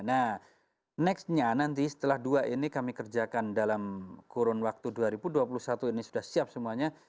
nah nextnya nanti setelah dua ini kami kerjakan dalam kurun waktu dua ribu dua puluh satu ini sudah siap semuanya